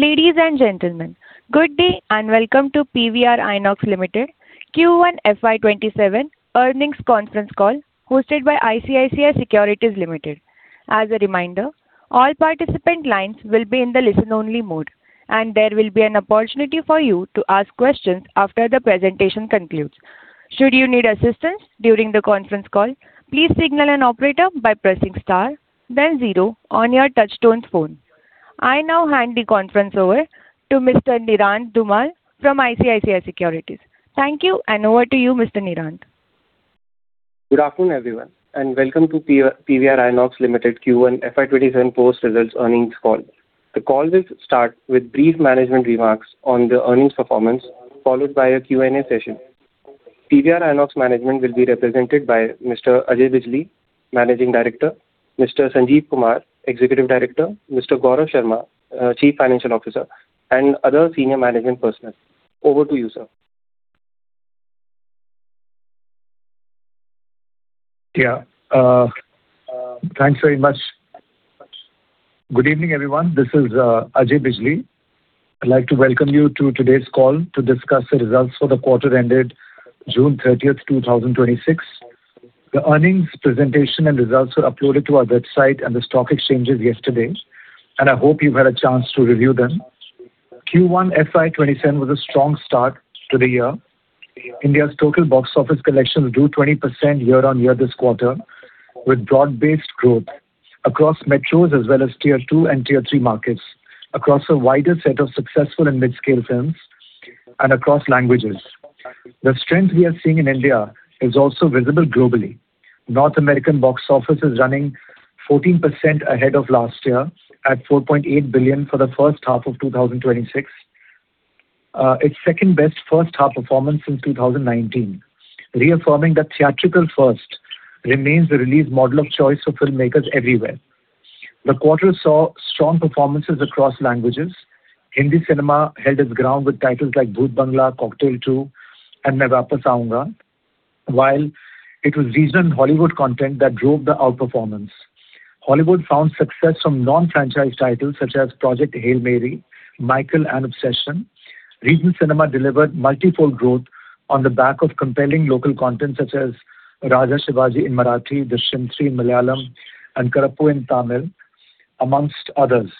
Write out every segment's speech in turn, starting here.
Ladies and gentlemen, good day and welcome to PVR INOX Limited Q1 FY 2027 earnings conference call hosted by ICICI Securities Limited. As a reminder, all participant lines will be in the listen-only mode, and there will be an opportunity for you to ask questions after the presentation concludes. Should you need assistance during the conference call, please signal an operator by pressing star then zero on your touch-tone phone. I now hand the conference over to Mr. Nirant Dhumal from ICICI Securities. Thank you, and over to you, Mr. Nirant. Good afternoon, everyone, and welcome to PVR INOX Limited Q1 FY 2027 post-results earnings call. The call will start with brief management remarks on the earnings performance, followed by a Q&A session. PVR INOX management will be represented by Mr. Ajay Bijli, Managing Director, Mr. Sanjeev Kumar, Executive Director, Mr. Gaurav Sharma, Chief Financial Officer, and other senior management personnel. Over to you, sir. Yeah. Thanks very much. Good evening, everyone. This is Ajay Bijli. I'd like to welcome you to today's call to discuss the results for the quarter ended June 30th, 2026. The earnings presentation and results were uploaded to our website and the stock exchanges yesterday. I hope you've had a chance to review them. Q1 FY 2027 was a strong start to the year. India's total box office collections grew 20% year-on-year this quarter, with broad-based growth across metros as well as Tier 2 and Tier 3 markets, across a wider set of successful and mid-scale films, and across languages. The strength we are seeing in India is also visible globally. North American box office is running 14% ahead of last year at $4.8 billion for the first half of 2026. Its second-best first-half performance since 2019, reaffirming that theatrical first remains the release model of choice for filmmakers everywhere. The quarter saw strong performances across languages. Hindi cinema held its ground with titles like "Bhooth Bangla," "Cocktail 2," and "Main Vaapas Aaunga," while it was regional and Hollywood content that drove the outperformance. Hollywood found success from non-franchise titles such as "Project Hail Mary," "Michael," and "Obsession." Regional cinema delivered multifold growth on the back of compelling local content such as "Raja Shivaji" in Marathi, "Drishyam 3" in Malayalam, and "Karuppu" in Tamil, amongst others.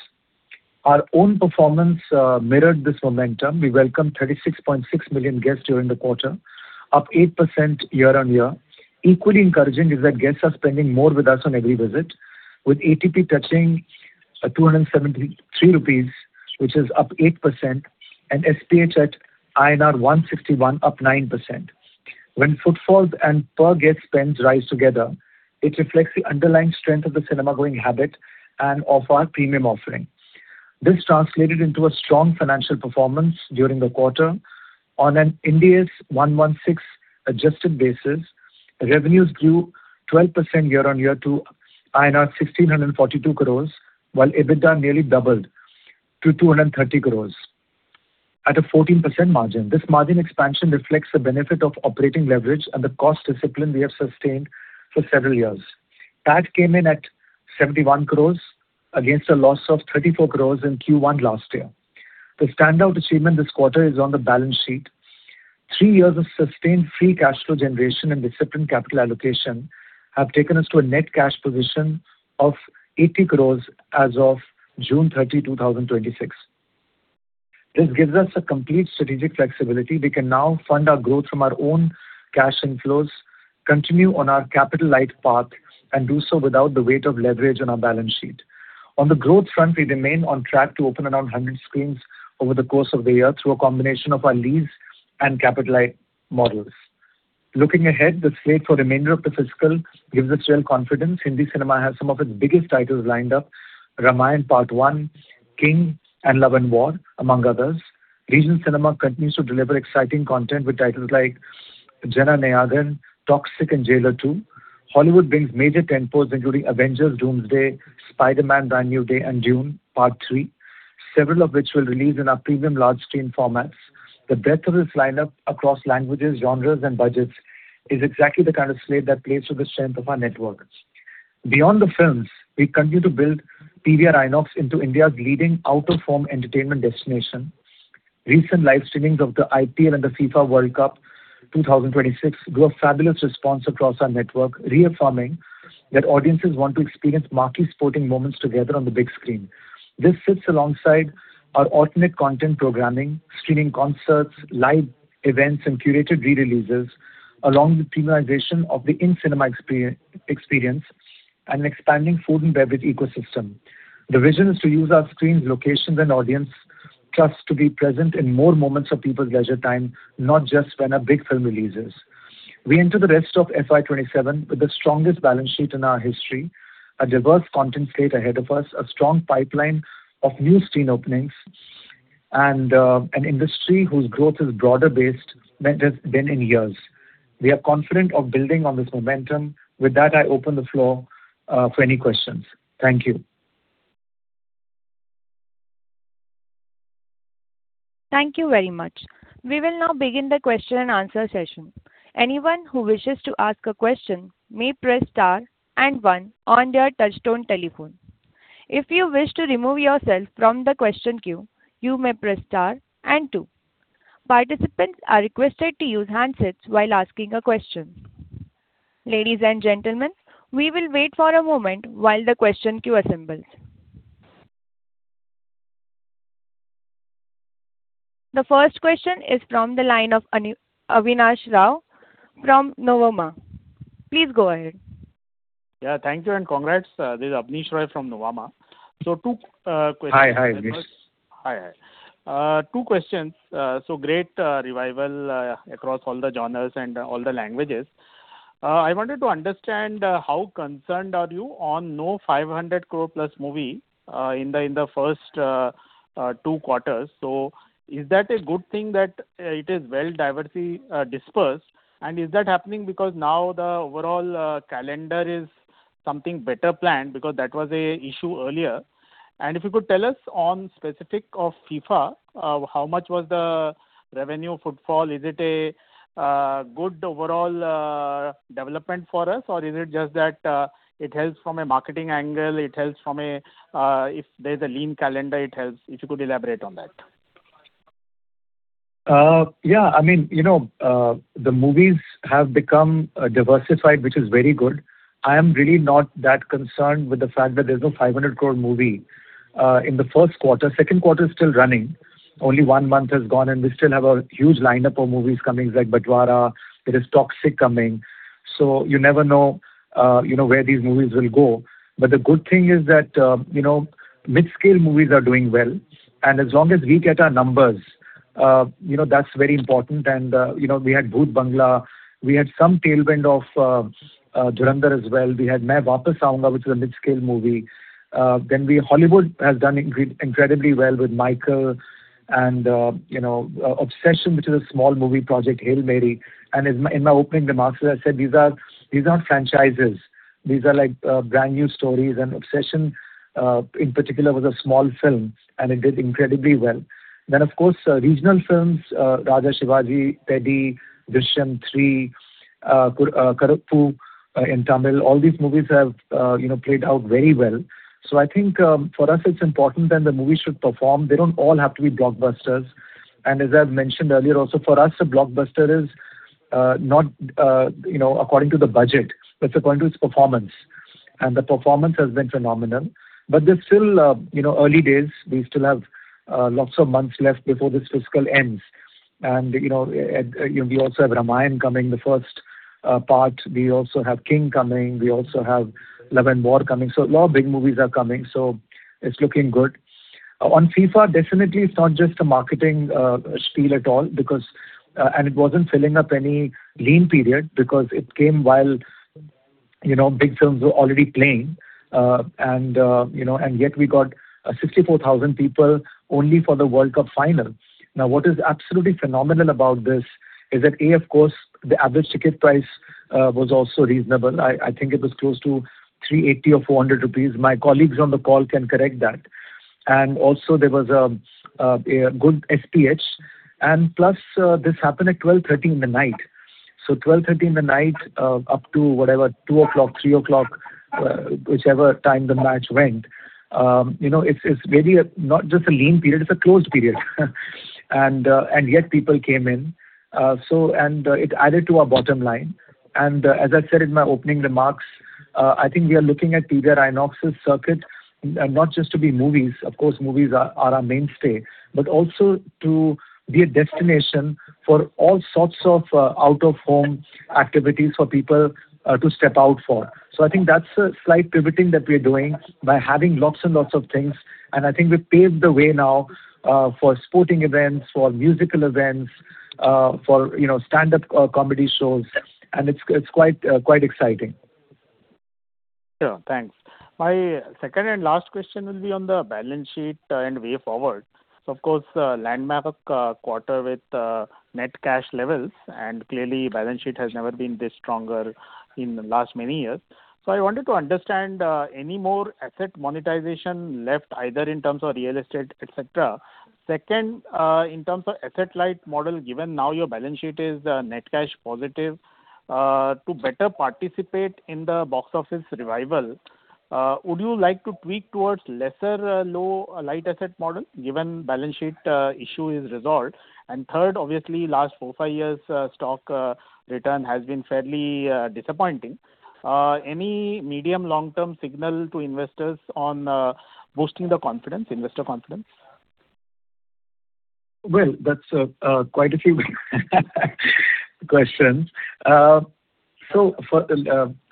Our own performance mirrored this momentum. We welcomed 36.6 million guests during the quarter, up 8% year-on-year. Equally encouraging is that guests are spending more with us on every visit, with ATP touching at 273 rupees, which is up 8%, and SPH at INR 161, up 9%. When footfalls and per-guest spend rise together, it reflects the underlying strength of the cinema-going habit and of our premium offering. This translated into a strong financial performance during the quarter. On an Ind AS 116 adjusted basis, revenues grew 12% year-on-year to 1,642 crores, while EBITDA nearly doubled to 230 crores at a 14% margin. This margin expansion reflects the benefit of operating leverage and the cost discipline we have sustained for several years. PAT came in at 71 crores against a loss of 34 crores in Q1 last year. The standout achievement this quarter is on the balance sheet. Three years of sustained free cash flow generation and disciplined capital allocation have taken us to a net cash position of 80 crores as of June 30, 2026. This gives us a complete strategic flexibility. We can now fund our growth from our own cash inflows, continue on our capital-light path, and do so without the weight of leverage on our balance sheet. On the growth front, we remain on track to open around 100 screens over the course of the year through a combination of our lease and capitalize models. Looking ahead, the slate for the remainder of the fiscal gives us real confidence. Hindi cinema has some of its biggest titles lined up, "Ramayan: Part One," "King," and "Love & War," among others. Regional cinema continues to deliver exciting content with titles like "Jana Nayakan," "Toxic," and "Jailer 2." Hollywood brings major tentpoles including "Avengers: Doomsday," "Spider-Man: Brand New Day," and "Dune: Part Three," several of which will release in our premium large screen formats. The breadth of this lineup across languages, genres, and budgets is exactly the kind of slate that plays to the strength of our networks. Beyond the films, we continue to build PVR INOX into India's leading out-of-home entertainment destination. Recent live streamings of the IPL and the FIFA World Cup 2026 drew a fabulous response across our network, reaffirming that audiences want to experience marquee sporting moments together on the big screen. This sits alongside our alternate content programming, screening concerts, live events, and curated re-releases, along with premiumization of the in-cinema experience, and an expanding food and beverage ecosystem. The vision is to use our screens, locations, and audience trust to be present in more moments of people's leisure time, not just when a big film releases. We enter the rest of FY 2027 with the strongest balance sheet in our history, a diverse content slate ahead of us, a strong pipeline of new screen openings, and an industry whose growth is broader based than it has been in years. We are confident of building on this momentum. With that, I open the floor for any questions. Thank you. Thank you very much. We will now begin the question-and-answer session. Anyone who wishes to ask a question may press star and one on their touchtone telephone. If you wish to remove yourself from the question queue, you may press star and two. Participants are requested to use handsets while asking a question. Ladies and gentlemen, we will wait for a moment while the question queue assembles. The first question is from the line of Abneesh Roy from Nuvama. Please go ahead. Yeah. Thank you and congrats. This is Abneesh Roy from Nuvama. Two questions. Hi, Abneesh. Hi. Two questions. Great revival across all the genres and all the languages. I wanted to understand how concerned are you on no 500 crore plus movie in the first two quarters. Is that a good thing that it is well diversity dispersed, and is that happening because now the overall calendar is something better planned? That was an issue earlier. If you could tell us on specific of FIFA, how much was the revenue footfall? Is it a good overall development for us or is it just that it helps from a marketing angle, if there's a lean calendar, it helps? If you could elaborate on that. Yeah. The movies have become diversified, which is very good. I am really not that concerned with the fact that there's no 500 crore movie in the first quarter. Second quarter is still running. Only one month has gone, we still have a huge lineup of movies coming like "Badhaai Do," there is "Toxic" coming. You never know where these movies will go. The good thing is that mid-scale movies are doing well and as long as we get our numbers, that's very important and we had "Bhooth Bangla," we had some tailwind of "Duranga" as well. We had "Main Vaapas Aaunga," which is a mid-scale movie. Hollywood has done incredibly well with "Michael" and "Obsession," which is a small movie Project Hail Mary. In my opening remarks, as I said, these are not franchises. These are brand-new stories, "Obsession" in particular was a small film and it did incredibly well. Of course, regional films, "Raja Shivaji," "Teddy," "Drishyam 3," "Karuppu" in Tamil, all these movies have played out very well. I think for us it's important that the movie should perform. They don't all have to be blockbusters. As I've mentioned earlier also, for us, a blockbuster is not according to the budget, but according to its performance, and the performance has been phenomenal. They're still early days. We still have lots of months left before this fiscal ends. We also have "Ramayana" coming, the first part. We also have "King" coming. We also have "Love & War" coming. A lot of big movies are coming, it's looking good. On FIFA, definitely it's not just a marketing spiel at all and it wasn't filling up any lean period because it came while big films were already playing, yet we got 64,000 people only for the World Cup final. What is absolutely phenomenal about this is that, A, of course, the average ticket price was also reasonable. I think it was close to 380 or 400 rupees. My colleagues on the call can correct that. Also, there was a good SPH plus this happened at 12:30 A.M. 12:30 A.M. up to whatever, 2:00 o'clock, 3:00 o'clock, whichever time the match went. It's really not just a lean period; it's a closed period. Yet people came in. It added to our bottom line. As I said in my opening remarks, I think we are looking at PVR INOX's circuit not just to be movies, of course movies are our mainstay, but also to be a destination for all sorts of out-of-home activities for people to step out for. I think that's a slight pivoting that we're doing by having lots and lots of things, and I think we've paved the way now for sporting events, for musical events, for stand-up comedy shows, and it's quite exciting. Sure. Thanks. My second and last question will be on the balance sheet and way forward. Of course, landmark quarter with net cash levels and clearly balance sheet has never been this stronger in the last many years. I wanted to understand any more asset monetization left either in terms of real estate, et cetera. Second, in terms of asset-light model given now your balance sheet is net cash positive; to better participate in the box office revival, would you like to tweak towards lesser low light asset model given balance sheet issue is resolved? Third, obviously last four, five years stock return has been fairly disappointing. Any medium long-term signal to investors on boosting the investor confidence? Well, that's quite a few questions. Let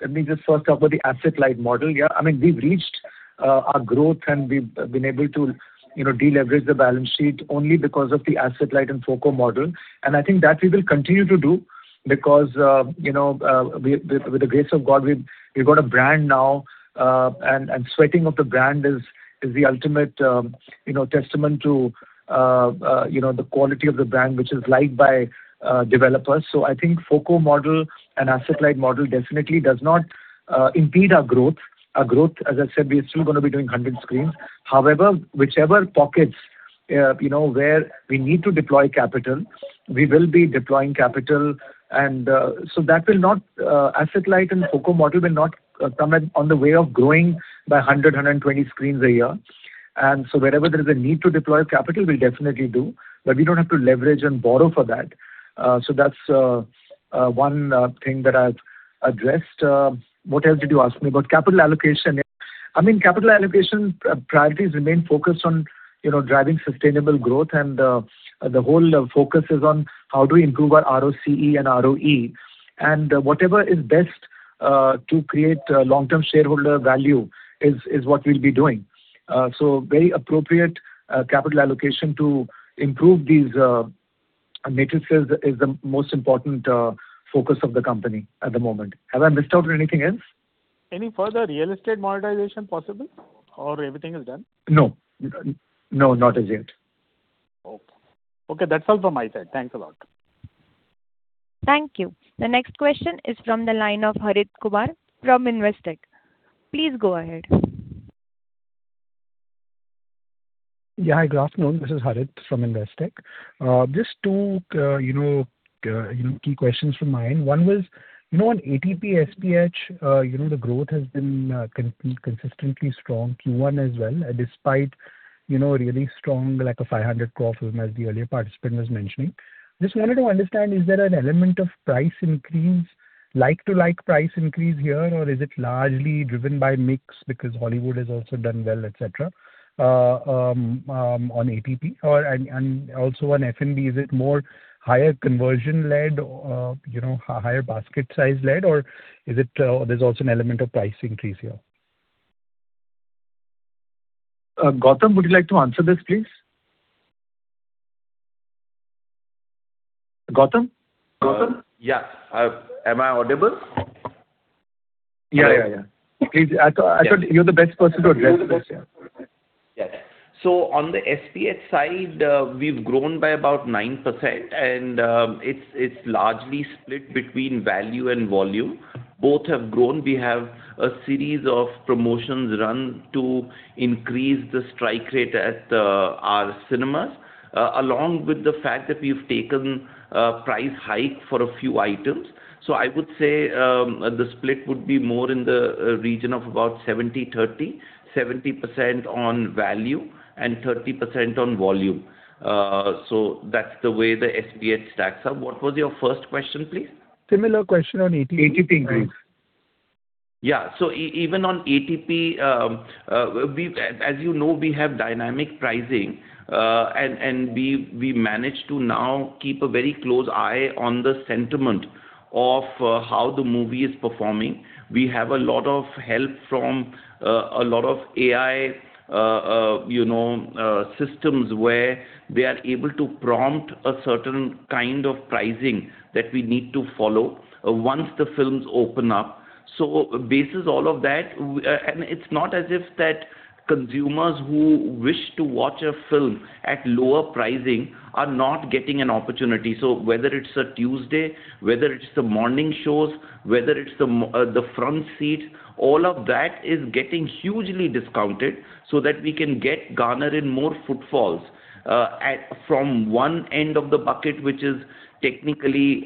me just first talk about the asset-light model. We've reached our growth and we've been able to de-leverage the balance sheet only because of the asset-light and FoCO model, and I think that we will continue to do because with the grace of God, we've got a brand now, and sweating of the brand is the ultimate testament to the quality of the brand, which is liked by developers. I think FoCO model and asset-light model definitely does not impede our growth. Our growth, as I said, we are still going to be doing 100 screens. However, whichever pockets where we need to deploy capital, we will be deploying capital. Asset light and FOCO model will not come in on the way of growing by 100, 120 screens a year. Wherever there is a need to deploy capital, we'll definitely do, but we don't have to leverage and borrow for that. That's one thing that I've addressed. What else did you ask me about? Capital allocation. Capital allocation priorities remain focused on driving sustainable growth and the whole focus is on how do we improve our ROCE and ROE and whatever is best to create long-term shareholder value is what we'll be doing. Very appropriate capital allocation to improve these matrices is the most important focus of the company at the moment. Have I missed out on anything else? Any further real estate monetization possible or everything is done? No. Not as yet. Okay. That's all from my side. Thanks a lot. Thank you. The next question is from the line of Harit Kapoor from Investec. Please go ahead. Greetings. This is Harit from Investec. Just two key questions from my end. One was, on ATP, SPH, the growth has been consistently strong, Q1 as well, despite really strong, like a 500 crores film as the earlier participant was mentioning. Just wanted to understand, is there an element of price increase, like-to-like price increase here, or is it largely driven by mix because Hollywood has also done well, et cetera, on ATP? Also, on F&B, is it more higher conversion led or higher basket size led, or there's also an element of price increase here? Gautam, would you like to answer this, please? Gautam? Yeah. Am I audible? Yeah. Please. I thought you're the best person to address this. Yeah. Yes. On the SPH side, we've grown by about 9%, and it's largely split between value and volume. Both have grown. We have a series of promotions run to increase the strike rate at our cinemas, along with the fact that we've taken a price hike for a few items. I would say the split would be more in the region of about 70/30, 70% on value and 30% on volume. That's the way the SPH stacks up. What was your first question, please? Similar question on ATP. ATP growth. Yeah. Even on ATP, as you know, we have dynamic pricing, and we manage to now keep a very close eye on the sentiment of how the movie is performing. We have a lot of help from a lot of AI systems where we are able to prompt a certain kind of pricing that we need to follow once the films open up. Bases all of that, and it's not as if that consumers who wish to watch a film at lower pricing are not getting an opportunity. Whether it's a Tuesday, whether it's the morning shows, whether it's the front seat, all of that is getting hugely discounted so that we can get, garner in more footfalls from one end of the bucket, which is technically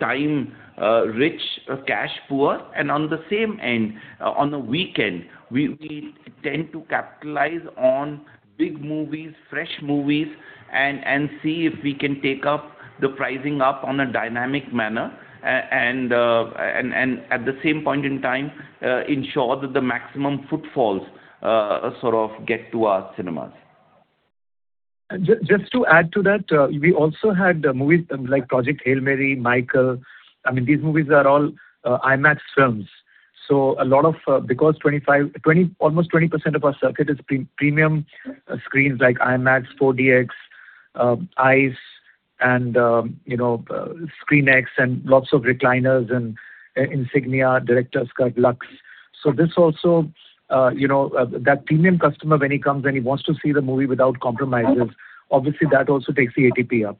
time-rich, cash poor. On the same end, on a weekend, we tend to capitalize on big movies, fresh movies, and see if we can take up the pricing up on a dynamic manner, and at the same point in time, ensure that the maximum footfalls sort of get to our cinemas. Just to add to that, we also had movies like "Project Hail Mary," "Michael." These movies are all IMAX films. Almost 20% of our circuit is premium screens like IMAX, 4DX, ICE, and ScreenX, and lots of recliners, and Insignia, Director's Cut Luxe. This also, that premium customer, when he comes and he wants to see the movie without compromises, obviously that also takes the ATP up.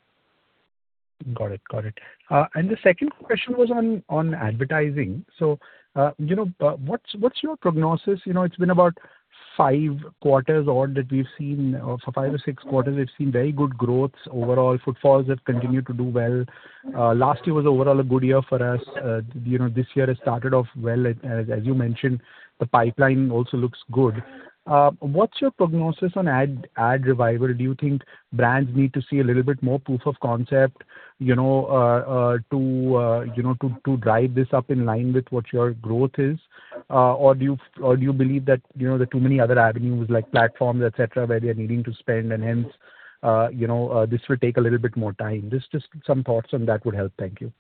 Got it. The second question was on advertising. What's your prognosis? It's been about five quarters odd that we've seen, or for five or six quarters, we've seen very good growth overall. Footfalls have continued to do well. Last year was overall a good year for us. This year has started off well. As you mentioned, the pipeline also looks good. What's your prognosis on ad revival? Do you think brands need to see a little bit more proof of concept to drive this up in line with what your growth is? Do you believe that there are too many other avenues like platforms, et cetera, where they are needing to spend and hence this will take a little bit more time? Just some thoughts on that would help. Thank you.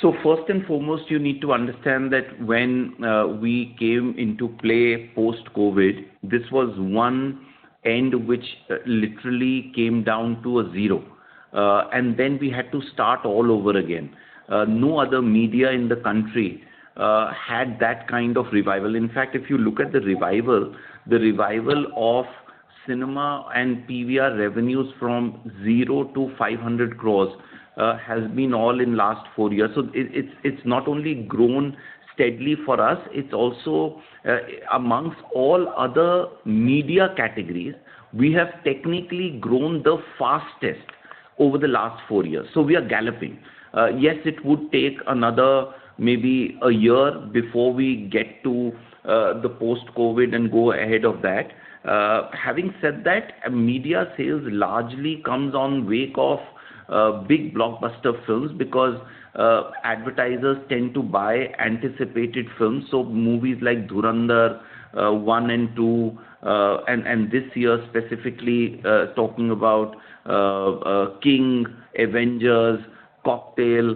First and foremost, you need to understand that when we came into play post-COVID, this was one end which literally came down to a zero. Then we had to start all over again. No other media in the country had that kind of revival. In fact, if you look at the revival, the revival of Cinema and PVR INOX revenues from zero to 500 crores has been all in last four years. It's not only grown steadily for us, it's also amongst all other media categories, we have technically grown the fastest over the last four years. We are galloping. Yes, it would take another maybe a year before we get to the post-COVID and go ahead of that. Having said that, media sales largely come on wake of big blockbuster films because advertisers tend to buy anticipated films. Movies like Dhurandhar, one and two, and this year specifically, talking about King, Avengers, Cocktail,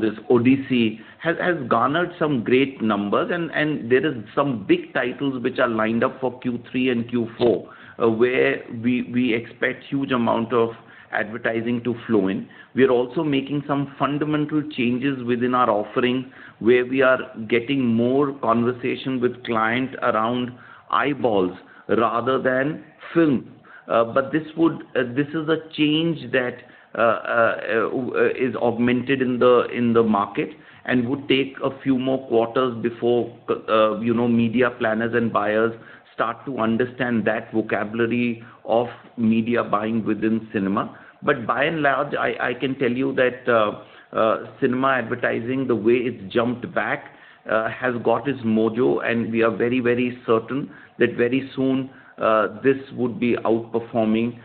this Odyssey has garnered some great numbers and there is some big titles which are lined up for Q3 and Q4, where we expect huge amount of advertising to flow in. We are also making some fundamental changes within our offering, where we are getting more conversation with clients around eyeballs rather than film. This is a change that is augmented in the market and would take a few more quarters before media planners and buyers start to understand that vocabulary of media buying within cinema. By and large, I can tell you that cinema advertising, the way it's jumped back, has got its mojo, and we are very certain that very soon this would be outperforming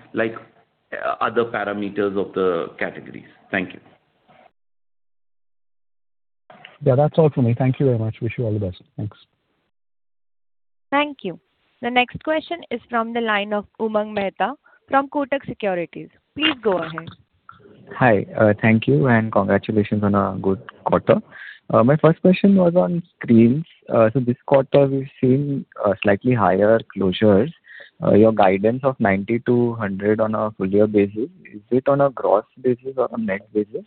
other parameters of the categories. Thank you. Yeah. That's all from me. Thank you very much. Wish you all the best. Thanks. Thank you. The next question is from the line of Umang Mehta from Kotak Securities. Please go ahead. Hi. Thank you and congratulations on a good quarter. My first question was on screens. This quarter we have seen slightly higher closures. Your guidance of 90 to 100 on a full year basis, is it on a gross basis or a net basis?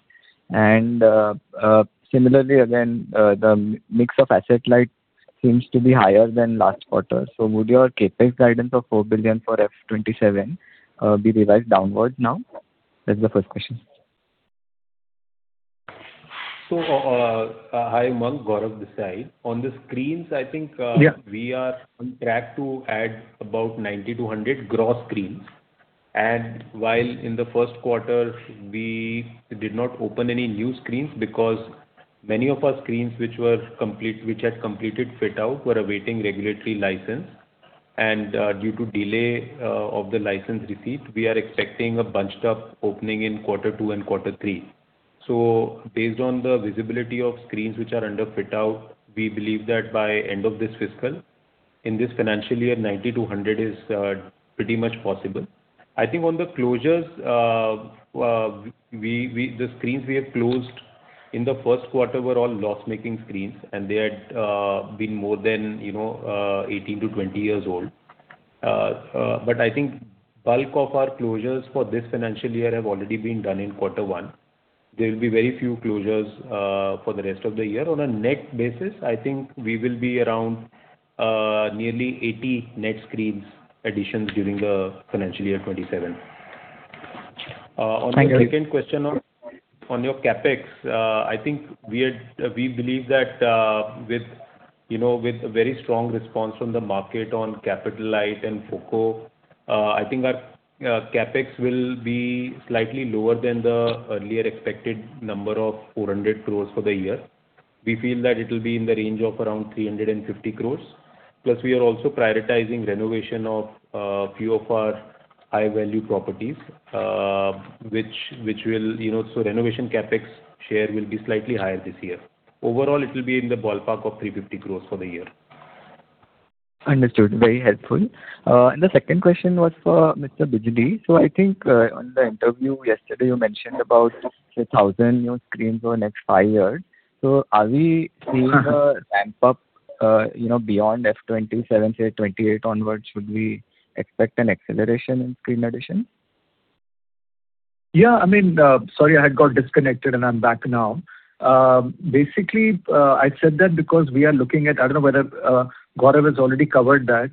Similarly, again, the mix of asset light seems to be higher than last quarter. Would your CapEx guidance of 4 billion for FY 2027 be revised downwards now? That is the first question. Hi, Umang. Gaurav Sharma. On the screens. Yeah We are on track to add about 90 to 100 gross screens. While in the first quarter we did not open any new screens because many of our screens which had completed fit-out were awaiting regulatory license, due to delay of the license receipt, we are expecting a bunched-up opening in quarter 2 and quarter 3. Based on the visibility of screens which are under fit-out, we believe that by end of this fiscal, in this financial year, 90 to 100 is pretty much possible. On the closures, the screens we have closed in the first quarter were all loss-making screens and they had been more than 18 to 20 years old. Bulk of our closures for this financial year have already been done in quarter 1. There will be very few closures for the rest of the year. On a net basis, I think we will be around nearly 80 net screens additions during the financial year 2027. Thank you. On the second question on your CapEx, I think we believe that with a very strong response from the market on capital light and FOCO, I think our CapEx will be slightly lower than the earlier expected number of 400 crores for the year. We feel that it will be in the range of around 350 crores. We are also prioritizing renovation of a few of our high-value properties. Renovation CapEx share will be slightly higher this year. Overall, it will be in the ballpark of 350 crores for the year. Understood. Very helpful. The second question was for Mr. Bijli. I think on the interview yesterday, you mentioned about 6,000 new screens over next five years. Are we seeing a ramp-up beyond FY 2027, say, 2028 onwards? Should we expect an acceleration in screen addition? Yeah. Sorry, I had got disconnected and I'm back now. I said that because we are looking at, I don't know whether Gaurav has already covered that.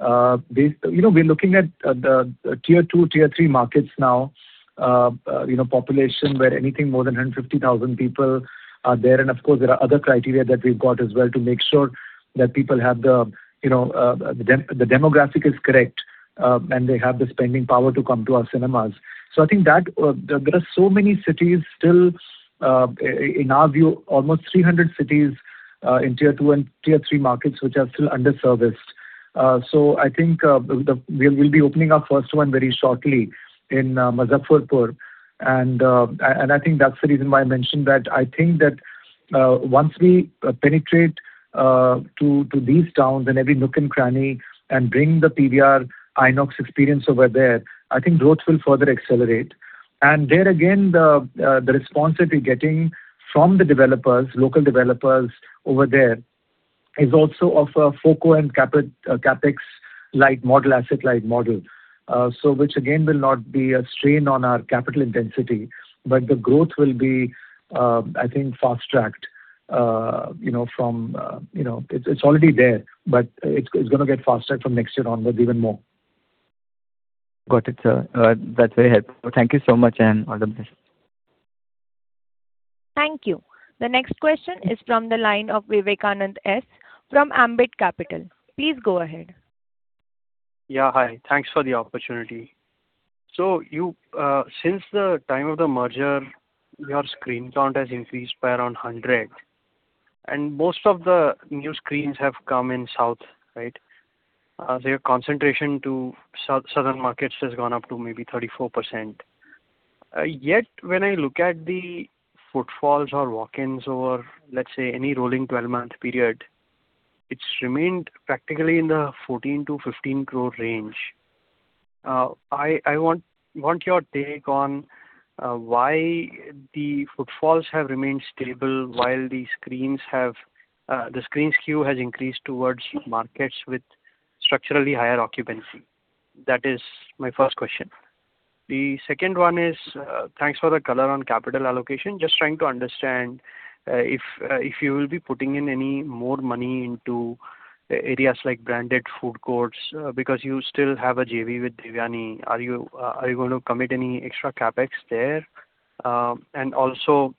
We're looking at the Tier 2, Tier 3 markets now. Population where anything more than 150,000 people are there, of course, there are other criteria that we've got as well to make sure that the demographic is correct, and they have the spending power to come to our cinemas. I think there are so many cities still, in our view, almost 300 cities in Tier 2 and Tier 3 markets which are still under-serviced. I think we'll be opening our first one very shortly in Muzaffarpur, I think that's the reason why I mentioned that. I think that once we penetrate to these towns and every nook and cranny and bring the PVR INOX experience over there, I think growth will further accelerate. There again, the response that we're getting from the local developers over there is also of a FOCO and CapEx light model, asset light model. Which again, will not be a strain on our capital intensity, but the growth will be, I think, fast-tracked from, it's already there, but it's going to get faster from next year onwards even more. Got it, sir. That's very helpful. Thank you so much, all the best. Thank you. The next question is from the line of Vivekanand S. from Ambit Capital. Please go ahead. Yeah. Hi. Thanks for the opportunity. Since the time of the merger, your screen count has increased by around 100, and most of the new screens have come in south. Right? Your concentration to southern markets has gone up to maybe 34%. Yet, when I look at the footfalls or walk-ins over, let's say, any rolling 12-month period, it's remained practically in the 14 crore to 15 crore range. I want your take on why the footfalls have remained stable while the screen SKU has increased towards markets with structurally higher occupancy. That is my first question. The second one is, thanks for the color on capital allocation. Just trying to understand if you will be putting in any more money into areas like branded food courts, because you still have a JV with Devyani. Are you going to commit any extra CapEx there? Also,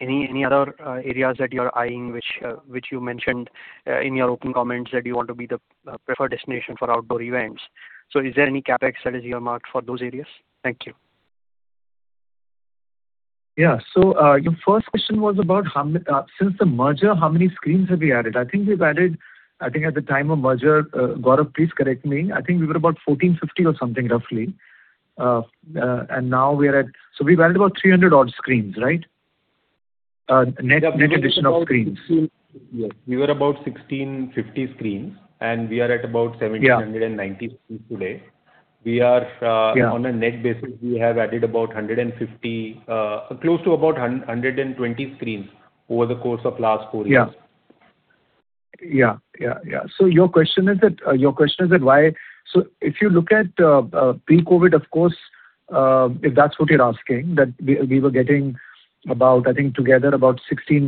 any other areas that you're eyeing, which you mentioned in your opening comments, that you want to be the preferred destination for outdoor events. Is there any CapEx that is earmarked for those areas? Thank you. Your first question was about since the merger; how many screens have we added? I think at the time of merger, Gaurav, please correct me, I think we were about 1,450 or something, roughly. We've added about 300 odd screens. Net addition of screens. Yes. We were about 1,650 screens, and we are at about 1,790 screens today. Yeah. On a net basis, we have added about 150, close to about 120 screens over the course of last four years. Your question is that if you look at pre-COVID, of course, if that's what you're asking, that we were getting about, I think together, about 160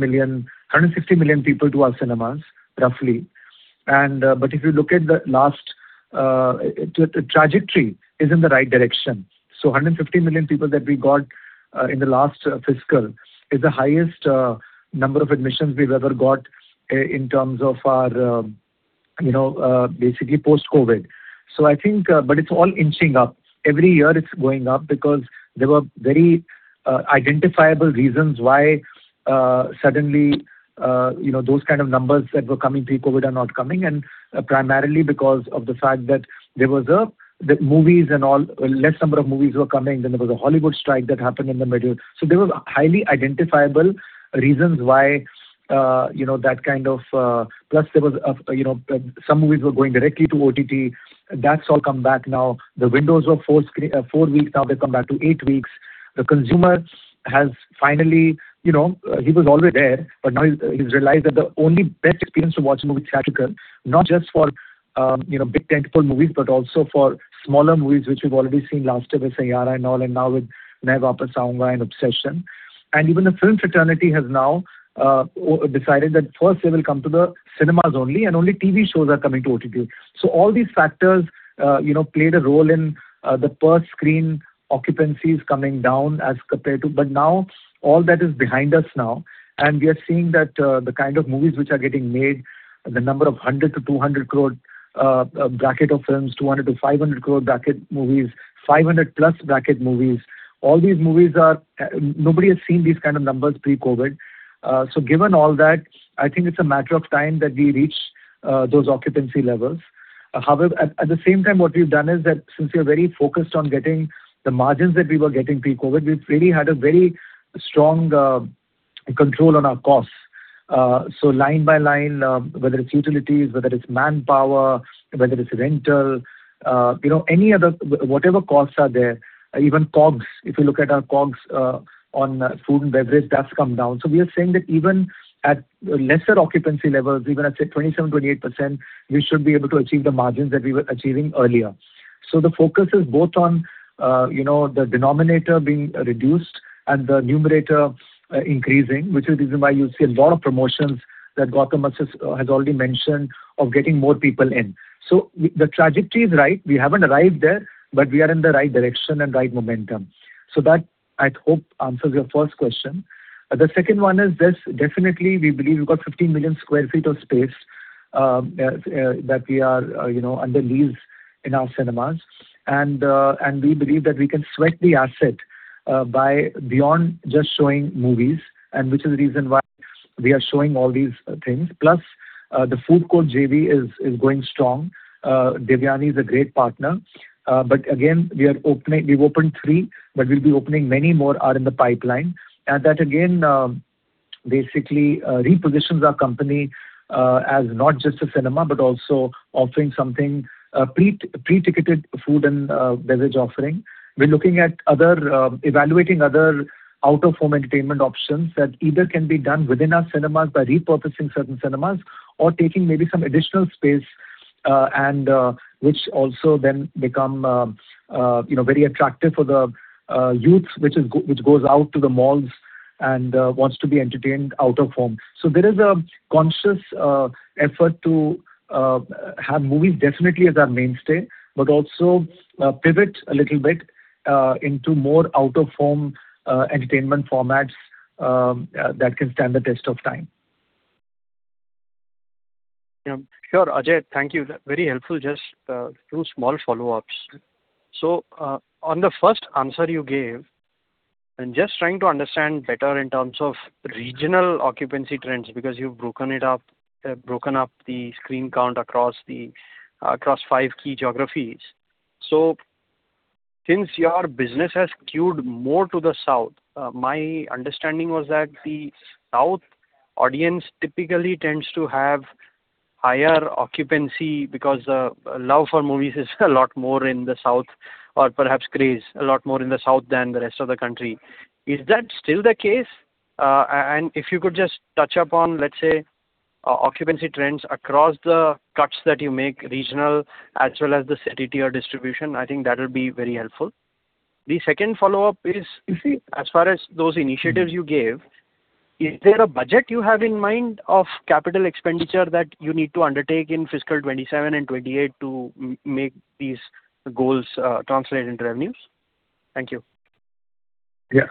million people to our cinemas, roughly. If you look at the last, the trajectory is in the right direction. 150 million people that we got in the last fiscal is the highest number of admissions we've ever got in terms of our basically post-COVID. It's all inching up. Every year, it's going up because there were very identifiable reasons why suddenly those kinds of numbers that were coming pre-COVID are not coming, and primarily because of the fact that less number of movies were coming, then there was a Hollywood strike that happened in the middle. There were highly identifiable reasons why that kind of Plus, some movies were going directly to OTT. That's all come back now. The windows were four weeks, now they've come back to eight weeks. The consumer has finally, he was always there, but now he's realized that the only best experience to watch a movie is theatrical, not just for big tentpole movies, but also for smaller movies, which we've already seen last year with Saiyaara and all, and now with "Main Vaapas Aaunga" and "Obsession." Even the film fraternity has now decided that first they will come to the cinemas only, and only TV shows are coming to OTT. All these factors played a role in the per-screen occupancies coming down as compared to. Now, all that is behind us now, and we are seeing that the kind of movies which are getting made, the number of 100 crore-200 crore bracket of films, 200 crore-500 crore bracket movies, 500-plus crore bracket movies. Nobody has seen these kinds of numbers pre-COVID. Given all that, I think it's a matter of time that we reach those occupancy levels. However, at the same time, what we've done is that since we are very focused on getting the margins that we were getting pre-COVID, we've really had a very strong control on our costs. Line by line, whether it's utilities, whether it's manpower, whether it's rental, any other, whatever costs are there, even COGS. If you look at our COGS on food and beverage, that's come down. We are saying that even at lesser occupancy levels, even at, say, 27%-28%, we should be able to achieve the margins that we were achieving earlier. The focus is both on the denominator being reduced and the numerator increasing, which is the reason why you see a lot of promotions that Gautam has already mentioned of getting more people in. The trajectory is right. We haven't arrived there, but we are in the right direction and right momentum. That, I hope, answers your first question. The second one is, definitely, we believe we've got 15 million sq ft of space that we are under lease in our cinemas. We believe that we can sweat the asset by beyond just showing movies, and which is the reason why we are showing all these things. Plus, the food court JV is going strong. Devyani is a great partner. Again, we've opened three, but we'll be opening many more are in the pipeline. That again, basically repositions our company as not just a cinema, but also offering something, a pre-ticketed food and beverage offering. We're looking at evaluating other out-of-home entertainment options that either can be done within our cinemas by repurposing certain cinemas or taking maybe some additional space. Which also then become very attractive for the youths, which goes out to the malls and wants to be entertained out of home. There is a conscious effort to have movies definitely as our mainstay but also pivot a little bit into more out-of-home entertainment formats that can stand the test of time. Yeah. Sure, Ajay, thank you. Very helpful. Just two small follow-ups. On the first answer you gave, I'm just trying to understand better in terms of regional occupancy trends, because you've broken up the screen count across five key geographies. Since your business has skewed more to the south, my understanding was that the south audience typically tends to have higher occupancy because love for movies is a lot more in the South, or perhaps craze, a lot more in the South than the rest of the country. Is that still the case? If you could just touch upon, let's say, occupancy trends across the cuts that you make regional as well as the city tier distribution. I think that'll be very helpful. The second follow-up is, as far as those initiatives you gave, is there a budget you have in mind of capital expenditure that you need to undertake in fiscal 2027 and 2028 to make these goals translate into revenues? Thank you. Yeah.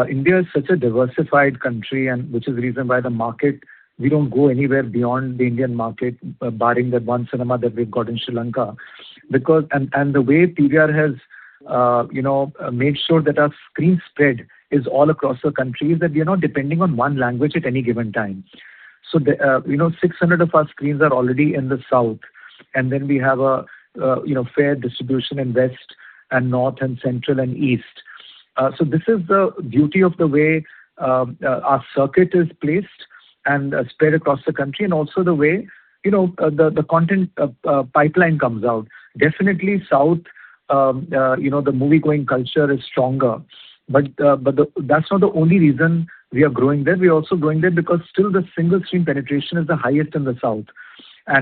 India is such a diversified country, which is the reason why the market, we don't go anywhere beyond the Indian market, barring that one cinema that we've got in Sri Lanka. The way PVR has made sure that our screen spread is all across the country, is that we are not depending on one language at any given time. 600 of our screens are already in the South, then we have a fair distribution in West and North and Central and East. This is the beauty of the way our circuit is placed and spread across the country, also the way the content pipeline comes out. Definitely South, the movie-going culture is stronger. That's not the only reason we are growing there. We are also growing there because still the single screen penetration is the highest in the South.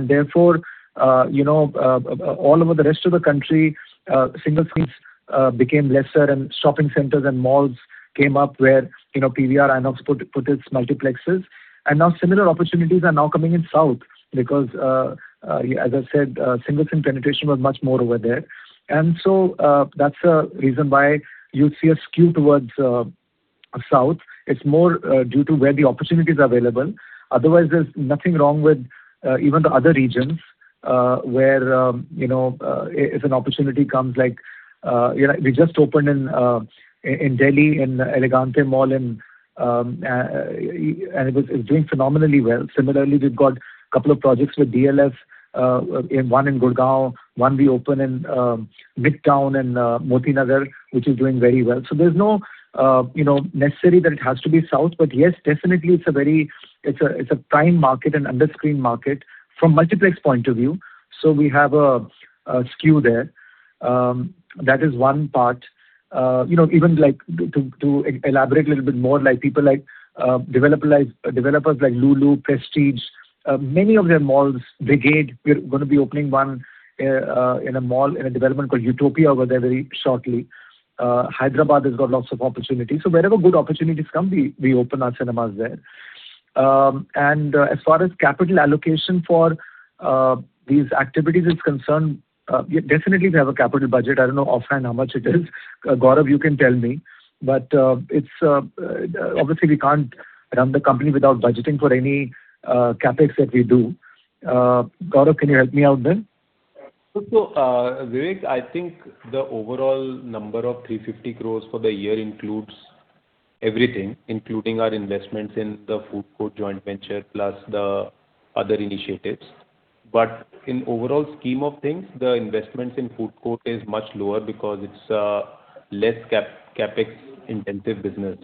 Therefore, all over the rest of the country, single screens became lesser and shopping centers and malls came up where PVR INOX put its multiplexes. Now similar opportunities are now coming in South because, as I said, single screen penetration was much more over there. That's a reason why you'd see a skew towards South. It's more due to where the opportunities are available. Otherwise, there's nothing wrong with even the other regions, where if an opportunity comes like we just opened in Delhi, in Elegante Mall, and it's doing phenomenally well. Similarly, we've got a couple of projects with DLF. One in Gurgaon, one we open in Midtown and Moti Nagar, which is doing very well. There's no necessary that it has to be south, but yes, definitely it's a prime market, an under-screen market from multiplex point of view. We have a skew there. That is one part. Even to elaborate a little bit more, developers like Lulu, Prestige, many of their malls, Brigade, we're going to be opening one in a mall in a development called Utopia over there very shortly. Hyderabad has got lots of opportunities. Wherever good opportunities come, we open our cinemas there. As far as capital allocation for these activities is concerned, definitely we have a capital budget. I don't know offhand how much it is. Gaurav, you can tell me. Obviously, we can't run the company without budgeting for any CapEx that we do. Gaurav, can you help me out then? Vivek, I think the overall number of 350 crores for the year includes everything, including our investments in the food court joint venture plus the other initiatives. In overall scheme of things, the investments in food court is much lower because it's a less CapEx-intensive business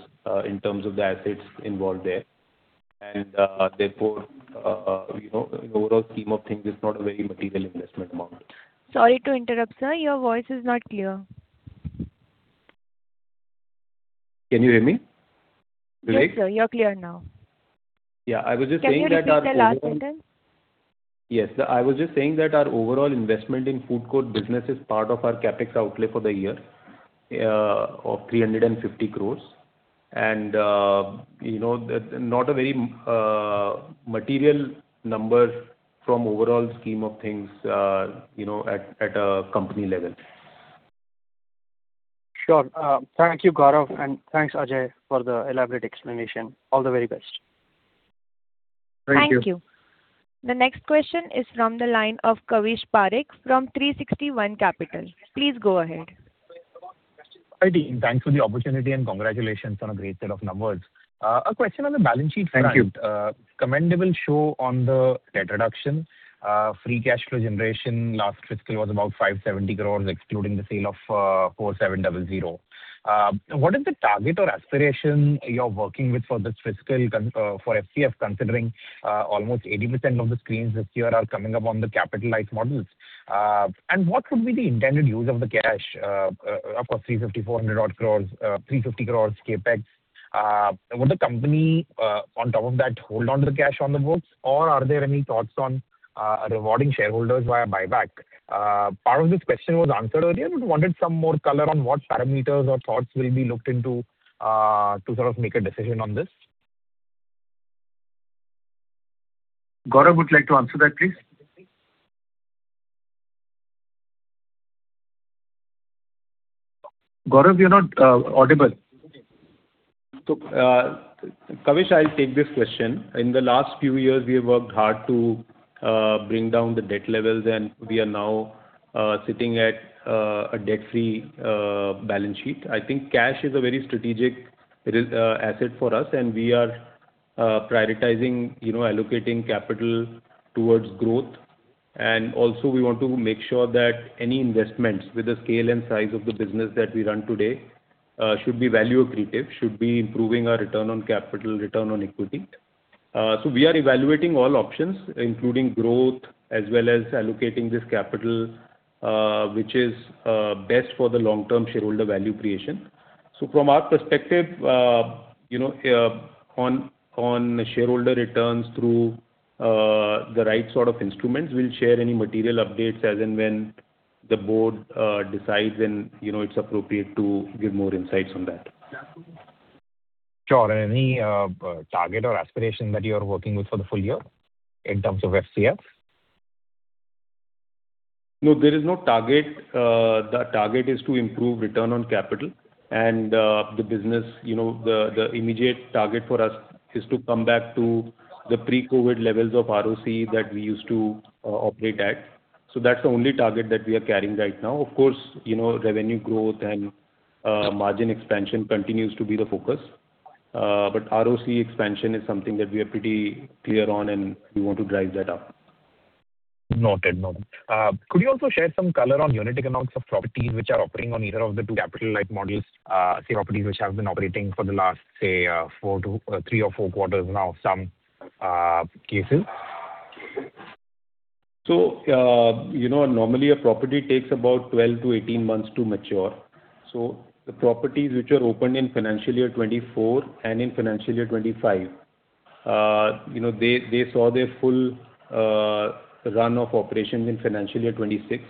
in terms of the assets involved there. Therefore, in overall scheme of things, it's not a very material investment amount. Sorry to interrupt, sir. Your voice is not clear. Can you hear me, Vivek? Yes, sir, you're clear now. Yeah, I was just saying that our overall- Can you repeat the last sentence? Yes. I was just saying that our overall investment in food court business is part of our CapEx outlay for the year of 350 crores. Not a very material number from overall scheme of things at a company level. Sure. Thank you, Gaurav, and thanks, Ajay, for the elaborate explanation. All the very best. Thank you. Thank you. The next question is from the line of Kavish Parekh from 360 ONE Capital. Please go ahead. Hi, team. Congratulations on a great set of numbers. A question on the balance sheet front. Thank you. Commendable show on the debt reduction. Free cash flow generation last fiscal was about 570 crore, excluding the sale of 4700. What is the target or aspiration you're working with for this fiscal for FCF, considering almost 80% of the screens this year are coming up on the capitalized models? What would be the intended use of the cash? Of course, 350 crore-400 crore, 350 crore CapEx. Would the company, on top of that, hold on to the cash on the books? Are there any thoughts on rewarding shareholders via buyback? Part of this question was answered earlier but wanted some more color on what parameters or thoughts will be looked into to sort of make a decision on this. Gaurav would like to answer that, please. Gaurav, you're not audible. Kavish, I'll take this question. In the last few years, we have worked hard to bring down the debt levels, we are now sitting at a debt-free balance sheet. I think cash is a very strategic asset for us; we are prioritizing allocating capital towards growth. Also, we want to make sure that any investments with the scale and size of the business that we run today should be value accretive, should be improving our return on capital, return on equity. We are evaluating all options, including growth as well as allocating this capital, which is best for the long-term shareholder value creation. From our perspective, on shareholder returns through the right sort of instruments, we'll share any material updates as and when the board decides when it's appropriate to give more insights on that. Sure. Any target or aspiration that you are working with for the full year in terms of FCF? No, there is no target. The target is to improve return on capital and the business. The immediate target for us is to come back to the pre-COVID levels of ROC that we used to operate at. That's the only target that we are carrying right now. Of course, revenue growth and margin expansion continues to be the focus. ROC expansion is something that we are pretty clear on, and we want to drive that up. Noted. Could you also share some color on unit economics of properties which are operating on either of the two capital-light models, say, properties which have been operating for the last, say, three or four quarters now, some cases? Normally a property takes about 12-18 months to mature. The properties which are opened in FY 2024 and in FY 2025, they saw their full run of operations in FY 2026.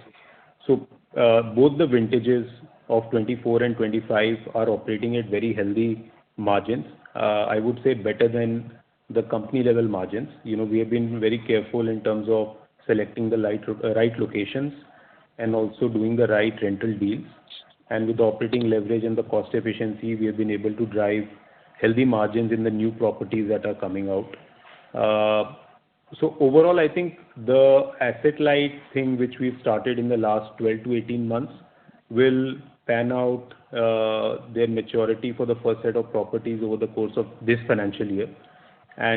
Both the vintages of 2024 and 2025 are operating at very healthy margins. I would say better than the company-level margins. We have been very careful in terms of selecting the right locations and also doing the right rental deals. With operating leverage and the cost efficiency, we have been able to drive healthy margins in the new properties that are coming out. Overall, I think the asset-light thing, which we've started in the last 12-18 months, will pan out their maturity for the first set of properties over the course of this financial year.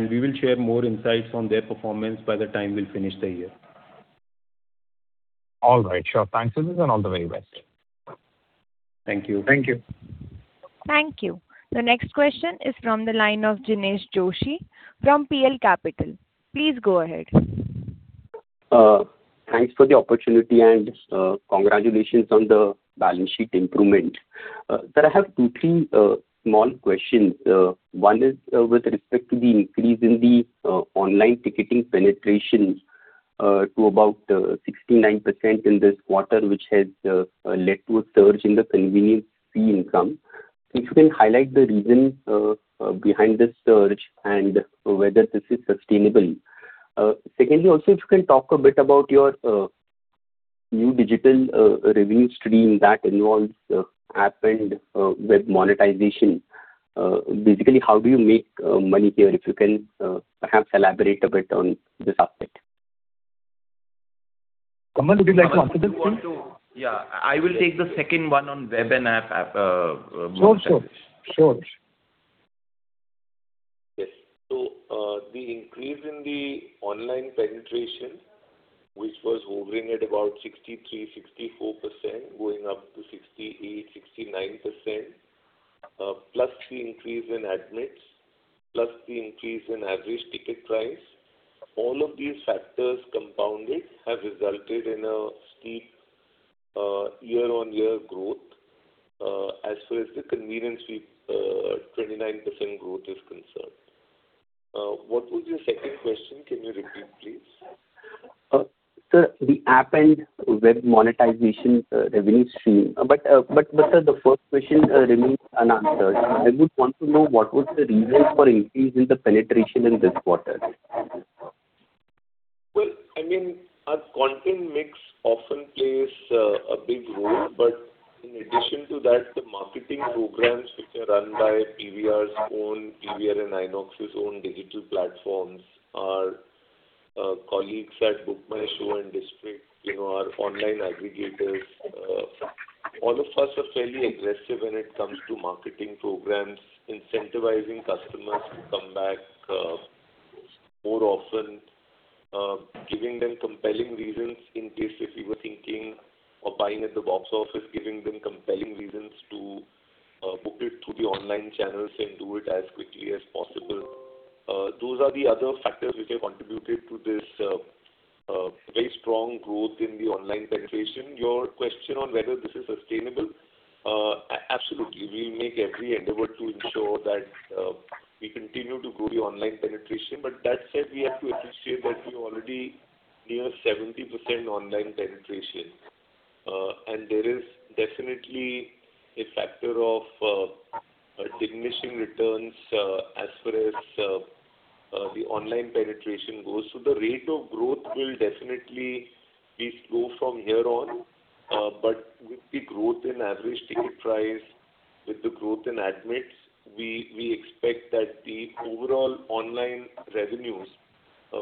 We will share more insights on their performance by the time we'll finish the year. All right. Sure. Thanks for this, and all the very best. Thank you. Thank you. Thank you. The next question is from the line of Jinesh Joshi from PL Capital. Please go ahead. Thanks for the opportunity and congratulations on the balance sheet improvement. Sir, I have two, three small questions. One is with respect to the increase in the online ticketing penetration to about 69% in this quarter, which has led to a surge in the convenience fee income. If you can highlight the reasons behind this surge and whether this is sustainable. Secondly, also, if you can talk a bit about your new digital revenue stream that involves app and web monetization. Basically, how do you make money here? If you can perhaps elaborate a bit on this aspect. Kamal, would you like to answer this, please? Yeah. I will take the second one on web and app monetization. Sure. Yes. The increase in the online penetration, which was hovering at about 63%, 64%, going up to 68%, 69%, plus the increase in admits, plus the increase in average ticket price, all of these factors compounded have resulted in a steep year-on-year growth, as far as the convenience fee 29% growth is concerned. What was your second question? Can you repeat, please? Sir, the app and web monetization revenue stream. Sir, the first question remains unanswered. I would want to know what was the reason for increase in the penetration in this quarter? Well, our content mix often plays a big role, but in addition to that, the marketing programs which are run by PVR and INOX's own digital platforms, our colleagues at BookMyShow and District, our online aggregators. All of us are fairly aggressive when it comes to marketing programs, incentivizing customers to come back more often, giving them compelling reasons in case if they were thinking of buying at the box office, giving them compelling reasons to book it through the online channels and do it as quickly as possible. Those are the other factors which have contributed to this very strong growth in the online penetration. Your question on whether this is sustainable, absolutely. We make every endeavor to ensure that we continue to grow the online penetration. That said, we have to appreciate that we're already near 70% online penetration. There is definitely a factor of diminishing returns as far as the online penetration goes. The rate of growth will definitely slow from here on. With the growth in average ticket price, with the growth in admits, we expect that the overall online revenues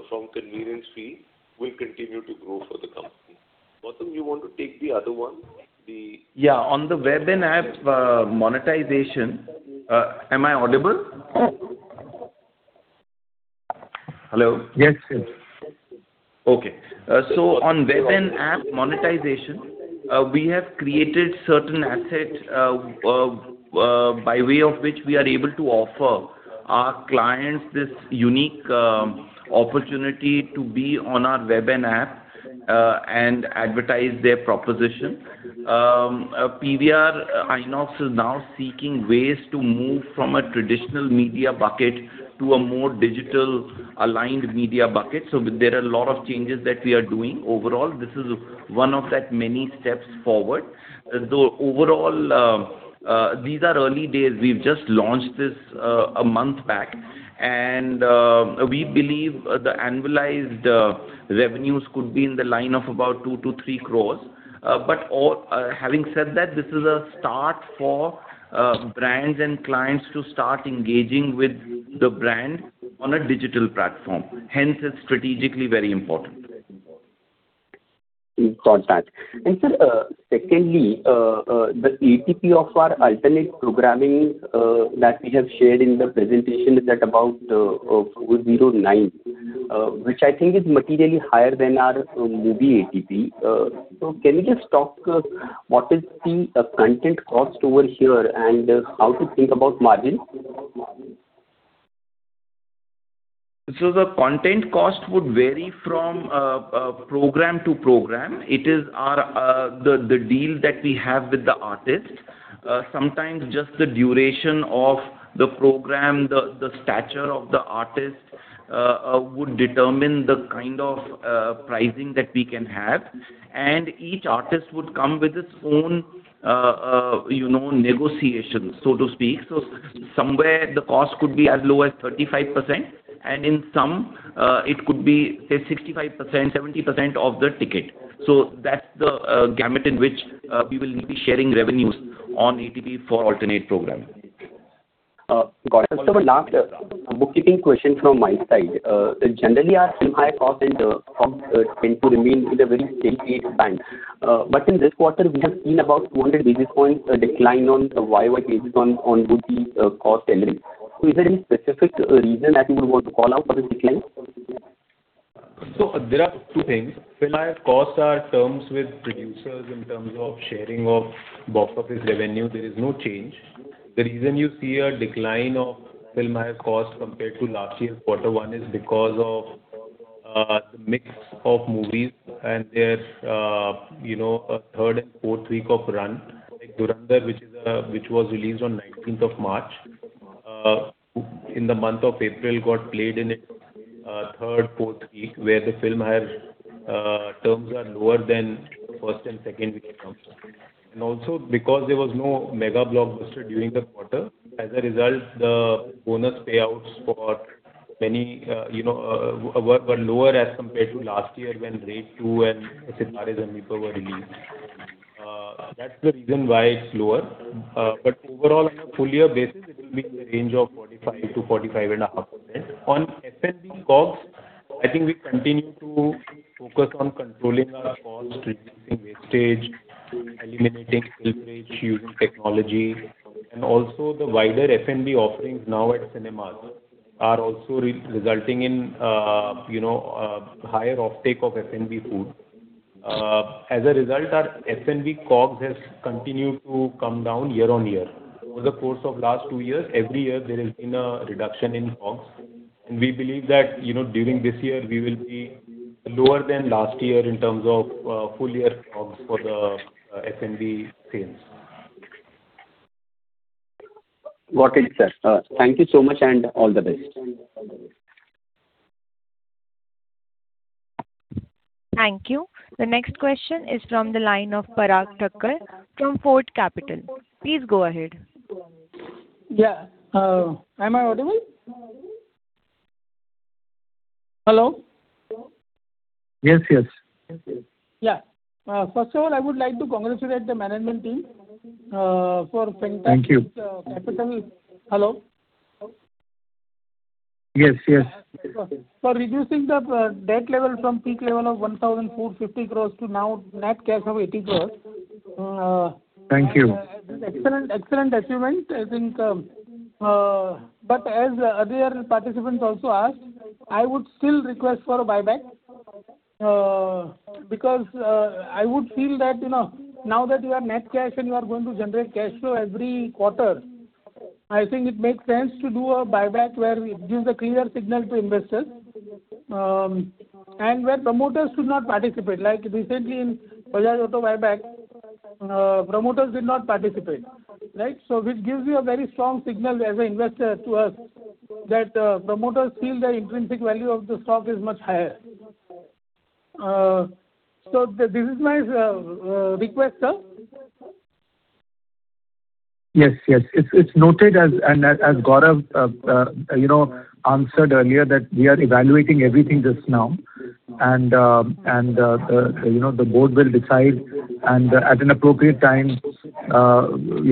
from convenience fee will continue to grow for the company. Gautam, you want to take the other one? Yeah. On the web and app monetization. Am I audible? Hello? Yes. Okay. On web and app monetization, we have created certain assets by way of which we are able to offer our clients this unique opportunity to be on our web and app, and advertise their proposition. PVR INOX is now seeking ways to move from a traditional media bucket to a more digital-aligned media bucket. There are a lot of changes that we are doing overall. This is one of that many steps forward. Though overall, these are early days. We've just launched this a month back, and we believe the annualized revenues could be in the line of about 2-3 crores. Having said that, this is a start for brands and clients to start engaging with the brand on a digital platform. Hence, it's strategically very important. Got that. Sir, secondly, the ATP of our alternate programming that we have shared in the presentation is at about 409, which I think is materially higher than our movie ATP. Can you just talk what is the content cost over here, and how to think about margin? The content cost would vary from program to program. It is the deal that we have with the artist. Sometimes just the duration of the program, the stature of the artist would determine the kind of pricing that we can have. Each artist would come with his own negotiation, so to speak. Somewhere the cost could be as low as 35%, and in some it could be, say, 65%, 70% of the ticket. That's the gamut in which we will be sharing revenues on ATP for alternate program. Got it. First of all, last, a bookkeeping question from my side. Generally, our film hire cost tend to remain in the very steady state band. In this quarter, we have seen about 200 basis points decline on YoY basis on movie cost only. Is there any specific reason that you would want to call out for this decline? There are two things. Film hire costs are terms with producers in terms of sharing of box office revenue. There is no change. The reason you see a decline of film hire cost compared to last year's quarter one is because of the mix of movies and their third and fourth week of run. Like, "Dhurandhar", which was released on 19th of March, in the month of April got played in its third, fourth week, where the film hire terms are lower than first and second week of launch. Also, because there was no mega blockbuster during the quarter, as a result, the bonus payouts were lower as compared to last year when "Raid 2" and "Simmba" were released. That's the reason why it's lower. Overall, on a full year basis, it will be in the range of 45%-45.5%. On F&B costs, I think we continue to focus on controlling our costs, reducing wastage, eliminating spillage using technology. Also the wider F&B offerings now at cinemas are also resulting in higher off-take of F&B food. As a result, our F&B costs has continued to come down year-on-year. Over the course of last two years, every year there has been a reduction in costs. We believe that during this year we will be lower than last year in terms of full year costs for the F&B sales. Got it, sir. Thank you so much, and all the best. Thank you. The next question is from the line of Parag Thakkar from Fort Capital. Please go ahead. Yeah. Am I audible? Hello? Yes. Yeah. First of all, I would like to congratulate the management team for paying back. Thank you. Capital Hello? Yes. For reducing the debt level from peak level of 1,450 crore to now net cash of 80 crore. Thank you. Excellent achievement, I think. As the other participants also asked, I would still request for a buyback, because I would feel that now that you have net cash and you are going to generate cash flow every quarter, I think it makes sense to do a buyback where it gives a clear signal to investors, and where promoters should not participate. Like recently in Bajaj Auto buyback, promoters did not participate. It gives you a very strong signal as an investor to us that promoters feel the intrinsic value of the stock is much higher. This is my request, sir. Yes. It's noted, as Gaurav answered earlier, that we are evaluating everything just now. The board will decide, and at an appropriate time, we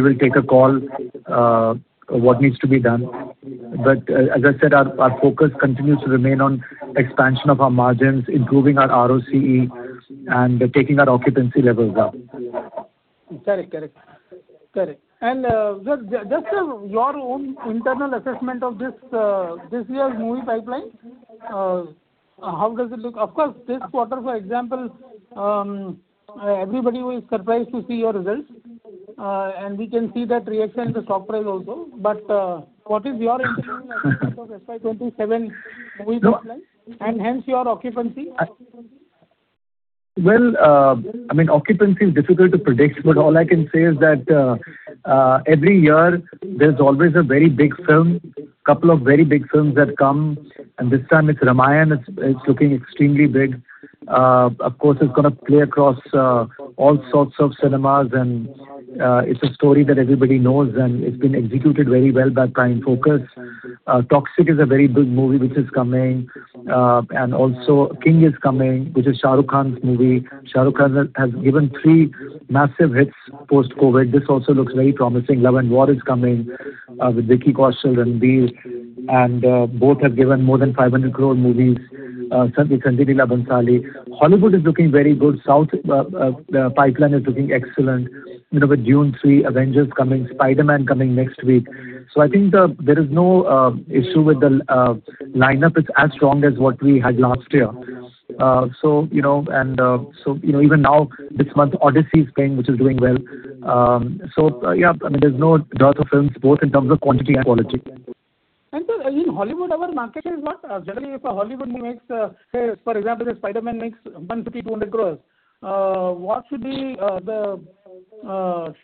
will take a call what needs to be done. As I said, our focus continues to remain on expansion of our margins, improving our ROCE, and taking our occupancy levels up. Correct. Just your own internal assessment of this year's movie pipeline, how does it look? Of course, this quarter, for example, everybody was surprised to see your results. We can see that reaction in the stock price also. What is your assessment of FY 2027 movie pipeline and hence your occupancy? Occupancy is difficult to predict. All I can say is that every year there's always a very big film, couple of very big films that come, and this time it's "Ramayan." It's looking extremely big. Of course, it's going to play across all sorts of cinemas, and it's a story that everybody knows, and it's been executed very well by Prime Focus. "Toxic" is a very big movie which is coming. Also "King" is coming, which is Shah Rukh Khan's movie. Shah Rukh Khan has given three massive hits post-COVID. This also looks very promising. "Love and War" is coming with Vicky Kaushal and Vidya, and both have given more than 500 crore movies, Sanjay Leela Bhansali. Hollywood is looking very good. South pipeline is looking excellent, with "Dune 3," "Avengers" coming, "Spider-Man" coming next week. I think there is no issue with the lineup. It's as strong as what we had last year. Even now, this month, Odyssey is playing, which is doing well. Yeah, there's no dearth of films, both in terms of quantity and quality. And sir, in Hollywood, our market is what? Generally, if a Hollywood makes, for example, if Spider-Man makes 150 crore, 200 crore, what should be the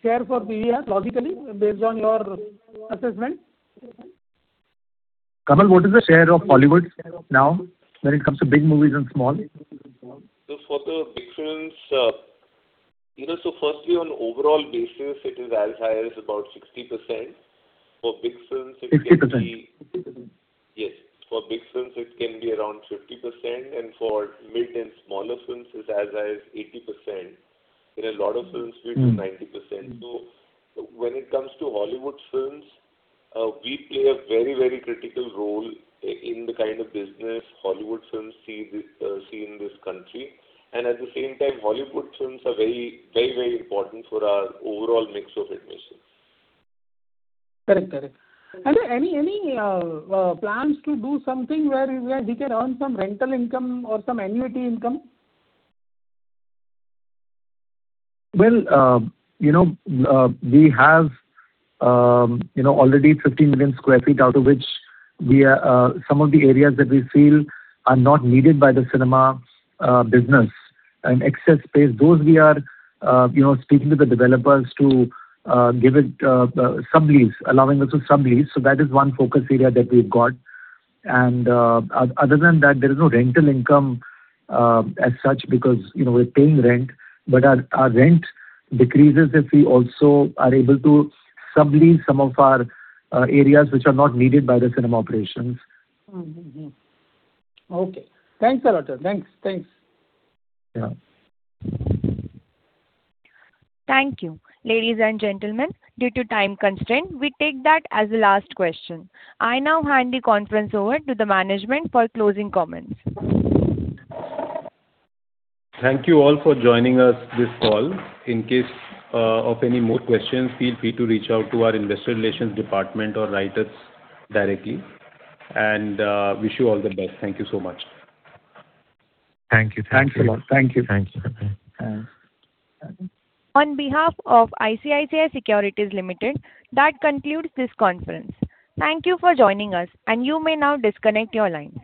share for PVR logically based on your assessment? Kamal, what is the share of Hollywood now when it comes to big movies and small? For the big films, firstly, on overall basis, it is as high as about 60%. For big films, it can be- 60%? Yes. For big films it can be around 50%, and for mid and smaller films it's as high as 80%. In a lot of films, it's 90%. When it comes to Hollywood films, we play a very critical role in the kind of business Hollywood films see in this country. At the same time, Hollywood films are very important for our overall mix of admissions. Correct. Sir, any plans to do something where we can earn some rental income or some annuity income? Well, we have already 15 million sq ft, out of which some of the areas that we feel are not needed by the cinema business, and excess space, those we are speaking to the developers to give it sub-lease, allowing us to sub-lease. That is one focus area that we've got. Other than that, there is no rental income as such because we're paying rent, but our rent decreases if we also are able to sub-lease some of our areas which are not needed by the cinema operations. Okay. Thanks a lot, sir. Thanks. Yeah. Thank you. Ladies and gentlemen, due to time constraint, we take that as the last question. I now hand the conference over to the management for closing comments. Thank you all for joining us this call. In case of any more questions, feel free to reach out to our investor relations department or write us directly, and wish you all the best. Thank you so much. Thank you. Thanks a lot. Thank you. Thanks. On behalf of ICICI Securities Limited, that concludes this conference. Thank you for joining us. You may now disconnect your lines.